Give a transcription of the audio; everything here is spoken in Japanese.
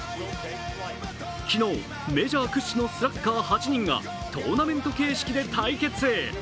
昨日、メジャー屈指のスラッガー８人がトーナメント形式で対決。